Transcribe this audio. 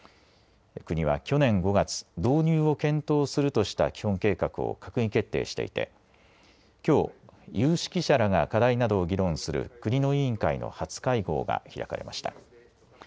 国は去年５月、導入を検討するとした基本計画を閣議決定していて、きょう、有識者らが課題などを議論する、国の委員会の初会合が開かれました。